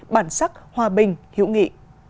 bản sắc hòa bình hiệu nghị